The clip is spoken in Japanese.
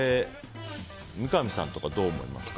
三上さんとかどう思いますか？